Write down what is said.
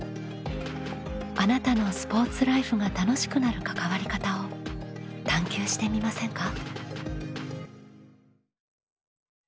あなたのスポーツライフが楽しくなる関わり方を探究してみませんか？